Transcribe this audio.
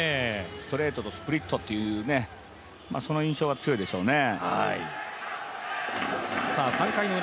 ストレートとスプリットというその印象は強いでしょうね。